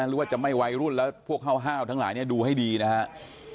หรือว่าจะไม่วัยรุ่นแล้วพวกห้าวทั้งหลายดูให้ดีนะครับ